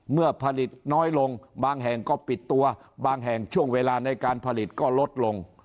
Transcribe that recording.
เมื่อผลิตน้อยลงบางแห่งก็ปิดตัวบางแห่งช่วงเวลาในการผลิตก็ลดลง